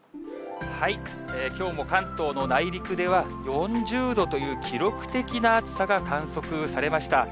きょうも関東の内陸では４０度という記録的な暑さが観測されました。